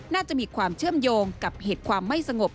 น่าจะมีความเชื่อมโยงกับเหตุความไม่สงบ